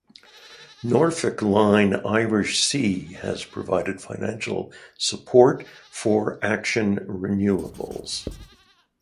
Norfolkline Irish Sea has provided financial support for Action Renewables.